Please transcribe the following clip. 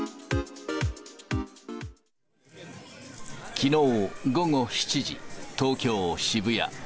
きのう午後７時、東京・渋谷。